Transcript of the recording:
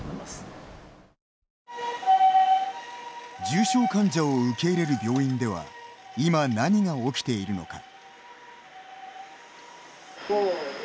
重症患者を受け入れる病院では今、何が起きているのか。